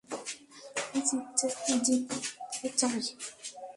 আমি জিততে চাই।